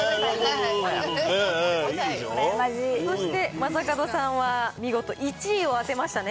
そして正門さんは見事１位を当てましたね。